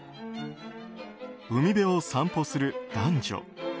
海辺を散歩する男女。